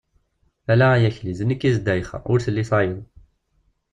Ala ay Akli, d nekk i d Ddayxa, ur telli tayeḍ.